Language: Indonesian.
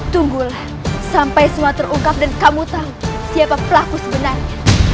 tunggulah sampai semua terungkap dan kamu tahu siapa pelaku sebenarnya